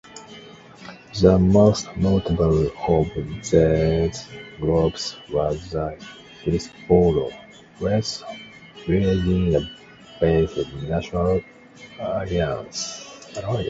The most notable of these groups was the Hillsboro, West Virginia-based National Alliance.